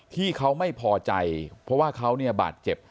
ที่เขาไม่พอใจเพราะว่าเขาเนี่ยบาดเจ็บ